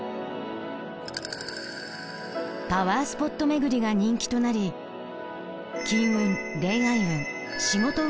パワースポット巡りが人気となり金運恋愛運